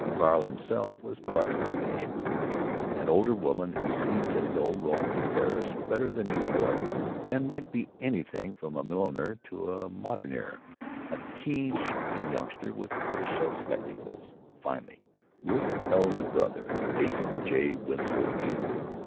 Carl himself was part of a hash group—an older woman who seemed to know Rome and Paris better than New York, and might be anything from a milliner to a mondaine; a keen looking youngster with tortoise shell spectacles; finally, Ruth's elder brother, Mason J. Winslow, Jr.